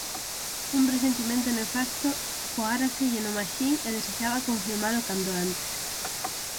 Un presentimento nefasto coáraselle no maxín e desexaba confirmalo canto antes;